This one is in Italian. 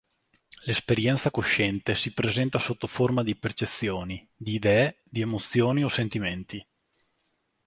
L'esperienza cosciente si presenta sotto forma di percezioni, di idee, di emozioni o sentimenti.